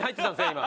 今。